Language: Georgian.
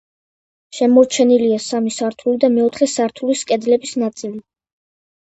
შემორჩენილია სამი სართული და მეოთხე სართულის კედლების ნაწილი.